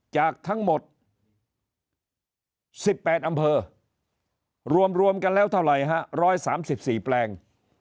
จากทั้งหมด๑๘อำเภอรวมกันแล้วเท่าไหร่ฮะ๑๓๔แปลง